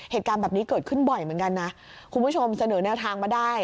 เหตุการณ์แบบนี้เกิดขึ้นบ่อยเหมือนกันนะคุณผู้ชมเสนอแนวทางมาได้